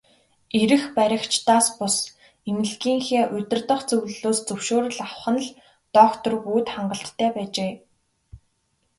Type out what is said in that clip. Эрх баригчдаас бус, эмнэлгийнхээ удирдах зөвлөлөөс зөвшөөрөл авах нь л доктор Вүд хангалттай байжээ.